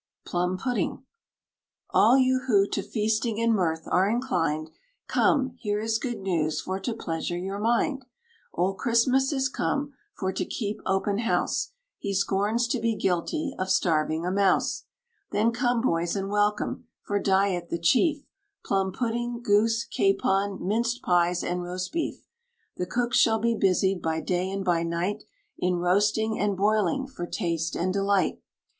PLUM PUDDING. All you who to feasting and mirth are inclined, Come, here is good news for to pleasure your mind. Old Christmas is come, for to keep open house: He scorns to be guilty of starving a mouse. Then come, boys, and welcome, for diet the chief, Plum pudding, goose, capon, minced pies, and roast beef. The cooks shall be busied, by day and by night, In roasting and boiling, for taste and delight.